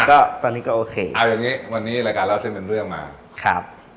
ก็ตอนนี้ก็โอเคเอาอย่างงี้วันนี้รายการเล่าเส้นเป็นเรื่องมาครับ